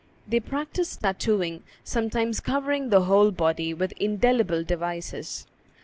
They practised tattooing, sometimes covering the whole body with indelible devices.